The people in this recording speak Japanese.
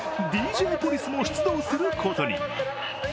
ＤＪポリスも出動することに。